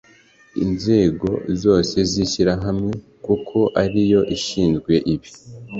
inzego zose z Ishyirahamwe kuko ariyo ishinzwe ibi